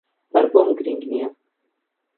ھەر بۆم گرنگ نییە.